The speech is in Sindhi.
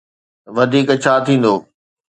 وڌيڪ ڇا ٿيندو؟